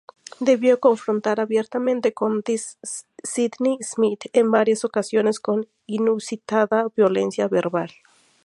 Debió confrontar abiertamente con Sidney Smith, en varias ocasiones con inusitada violencia verbal.